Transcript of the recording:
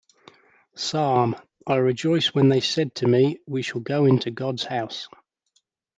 "Psalm": I rejoiced when they said to me: 'we shall go into God's House!